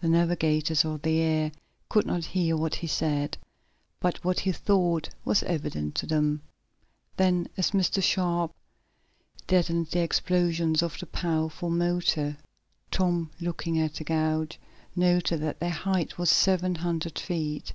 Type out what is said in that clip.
The navigators of the air could not hear what he said, but what he thought was evident to them. Then, as Mr. Sharp deadened the explosions of the powerful motor. Tom, looking at a gauge, noted that their height was seven hundred feet.